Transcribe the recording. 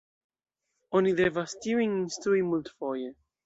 Oni devas tiujn instrui multfoje.